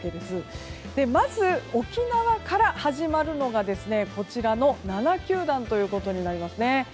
まず、沖縄から始まるのがこちらの７球団となります。